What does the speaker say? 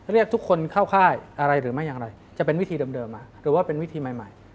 เรียกทุกคนเข้าค่ายอะไรหรือไม่อย่างไรจะเป็นวิธีเดิมหรือว่าเป็นวิธีใหม่